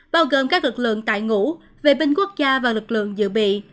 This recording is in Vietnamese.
bao gồm các lực lượng tại ngũ vệ binh quốc gia và lực lượng dự bị